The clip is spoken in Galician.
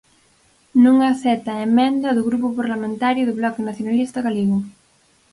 Non acepta a emenda do Grupo Parlamentario do Bloque Nacionalista Galego.